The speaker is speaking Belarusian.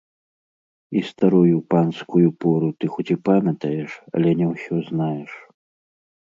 І старую панскую пору ты хоць і памятаеш, але не ўсё знаеш.